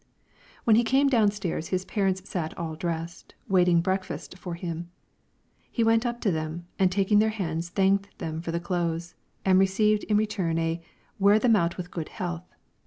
When he came down stairs, his parents sat all dressed, waiting breakfast for him. He went up to them and taking their hands thanked them for the clothes, and received in return a "wear them out with good health."